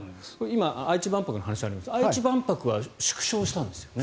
今、愛知万博の話がありましたが、愛知万博は縮小したんですよね。